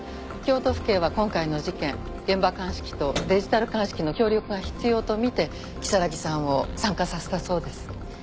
京都府警は今回の事件現場鑑識とデジタル鑑識の協力が必要と見て如月さんを参加させたそうです。